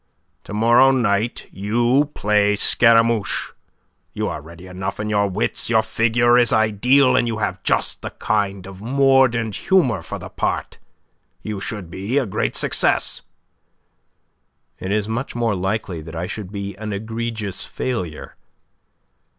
"To morrow night you play Scaramouche. You are ready enough in your wits, your figure is ideal, and you have just the kind of mordant humour for the part. You should be a great success." "It is much more likely that I should be an egregious failure."